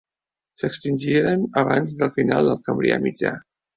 S'extingiren abans del final del Cambrià mitjà.